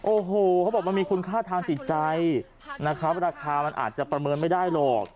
โอ้โหเขาบอกมันมีคุณค่าทางจิตใจนะครับราคามันอาจจะประเมินไม่ได้หรอก